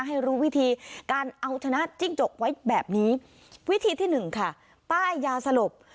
ให้รู้วิธีการเอาชนะจิ้งจกไว้แบบนี้วิธีที่หนึ่งค่ะป้ายยาสลบ